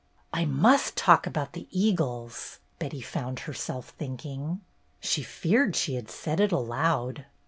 " I must talk about the eagles," Betty found herself thinking. She feared she said it aloud.